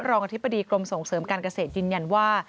อธิบดีกรมส่งเสริมการเกษตรยืนยันว่า